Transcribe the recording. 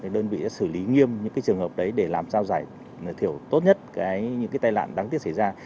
đơn vị xử lý nghiêm những trường hợp đấy để làm sao giải thiểu tốt nhất những tai nạn đáng tiếc xảy ra